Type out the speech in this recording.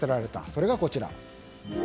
それが、こちら。